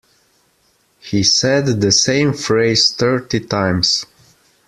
He said the same phrase thirty times.